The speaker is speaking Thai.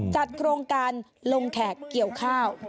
จัดโครงการลงแขกเกี่ยวข้าว